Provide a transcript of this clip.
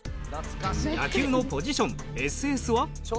野球のポジションＳＳは？